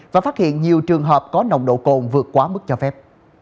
và phát hiện nhiều trường hợp có nồng độ cồn vượt quá mức cho phép